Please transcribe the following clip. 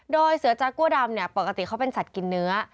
โดยเสือจากัวดำเนี่ยปกติเขาเป็นสัตว์กินเนื้อ